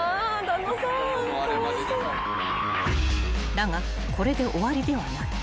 ［だがこれで終わりではない］